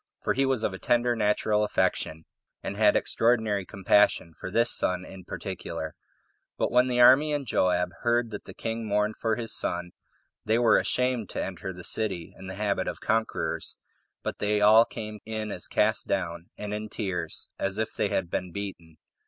for he was of a tender natural affection, and had extraordinary compassion for this son in particular. But when the army and Joab heard that the king mourned for his son, they were ashamed to enter the city in the habit of conquerors, but they all came in as cast down, and in tears, as if they had been beaten.